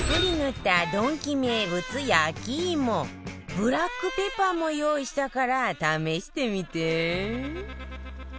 ブラックペッパーも用意したから試してみて